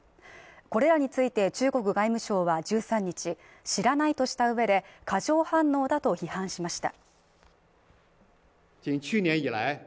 これらについて中国外務省は１３日、知らないとしたうえで過剰反応だ批判しました。